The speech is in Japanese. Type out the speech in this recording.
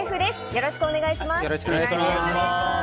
よろしくお願いします。